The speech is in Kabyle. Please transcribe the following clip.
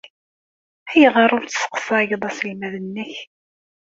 Ayɣer ur tesseqsayeḍ aselmad-nnek?